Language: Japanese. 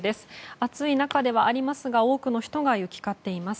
暑い中ではありますが多くの人が行き交っています。